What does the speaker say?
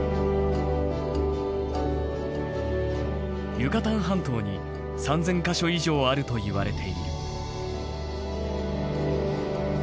ユカタン半島に３０００か所以上あるといわれている。